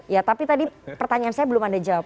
ya tapi tadi pertanyaan saya belum anda jawab